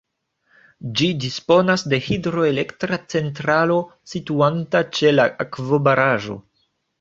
Ĝi disponas de hidroelektra centralo situanta ĉe la akvobaraĵo.